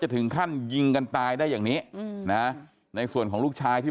ถึงขั้นยิงกันตายได้อย่างนี้นะในส่วนของลูกชายที่